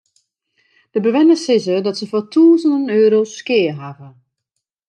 De bewenners sizze dat se foar tûzenen euro's skea hawwe.